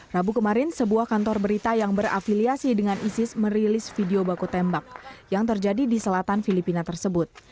rabu kemarin sebuah kantor berita yang berafiliasi dengan isis merilis video baku tembak yang terjadi di selatan filipina tersebut